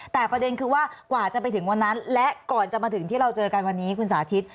แต่ประเด็นคือว่ากว่าจะไปถึงวันนั้นและก่อนจะมาถึงที่เราเจอกันวันนี้คุณสาธิต